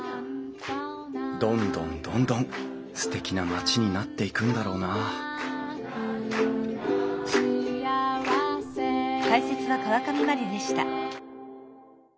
どんどんどんどんすてきな町になっていくんだろうな昨日はもりもりとカレー。